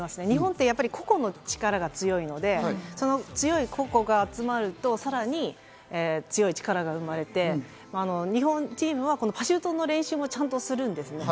日本って個々の力が強いので、その強い個々が集まると、さらに強い力が生まれて日本人はこのパシュートの練習もちゃんとするんです。